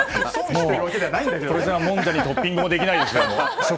これじゃもんじゃにトッピングもできないですよ。